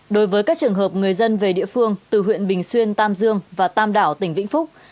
đối với các trường hợp người dân về địa phương từ huyện bình xuyên tam dương và tam đảo tỉnh vĩnh phúc